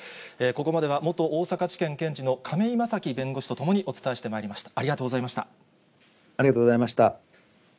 ここまでは、元大阪地検検事の亀井正貴弁護士と共にお伝えしてまいりました。